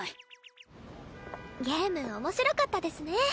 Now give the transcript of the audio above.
ゲーム面白かったですね。